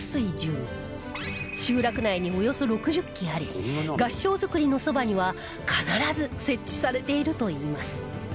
集落内におよそ６０基あり合掌造りのそばには必ず設置されているといいます